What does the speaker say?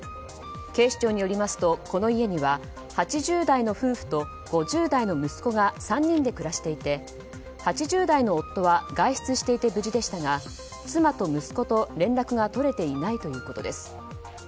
警視庁によりますと、この家には８０代の夫婦と５０代の息子が３人で暮らしていて８０代の夫は外出していて無事でしたが妻と息子と連絡が取れていないということです。